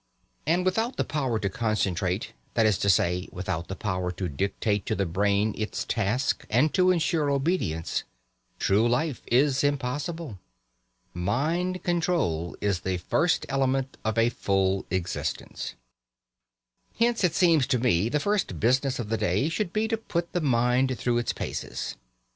And without the power to concentrate that is to say, without the power to dictate to the brain its task and to ensure obedience true life is impossible. Mind control is the first element of a full existence. Hence, it seems to me, the first business of the day should be to put the mind through its paces.